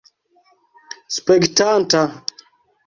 spektanta